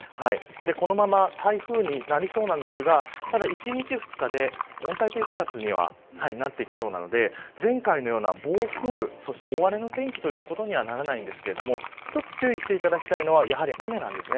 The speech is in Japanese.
このまま台風になりそうなんですが１日、２日で温帯低気圧にはなってきそうなので前回のような暴風雨大荒れの天気ということにはならないんですけど１つ注意していただきたいのは雨です。